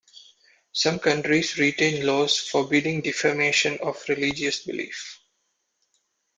Some countries retain laws forbidding defamation of religious belief.